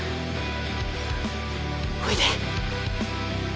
おいで。